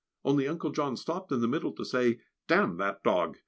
Only Uncle John stopped in the middle to say, "Damn that dog!"